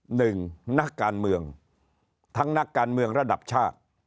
หนึ่งนักการเมืองทั้งนักการเมืองระดับชาติ